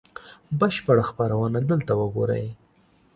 بشپړه خپرونه دلته وګورئ